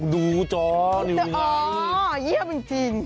ดูจอนิ้วอยู่ไหนอ๋อเยี่ยมจริง